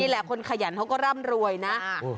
แหละคนขยันเขาก็ร่ำรวยนะ